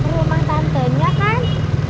rumah tantenya kan